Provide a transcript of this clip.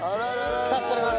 助かります。